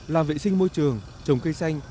làm vệ sinh môi trường trồng cây xanh